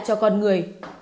cho con người